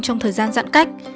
trong thời gian giãn cách